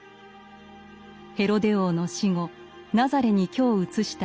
ヘロデ王の死後ナザレに居を移したイエス。